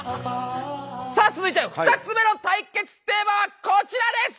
さあ続いては２つ目の対決テーマはこちらです！